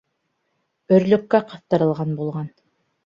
Өрлөккә ҡыҫтырылған булған.